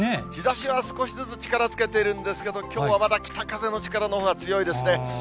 日ざしは少しずつ力つけているんですけれども、きょうはまだ北風の力のほうが強いですね。